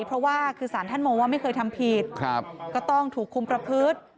เพราะว่าคือสารท่านมองว่าไม่เคยทำผิดก็ต้องถูกคุมประพฤติ